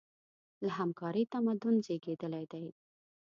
له همکارۍ تمدن زېږېدلی دی.